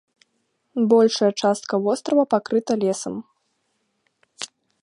Большая частка вострава пакрыта лесам.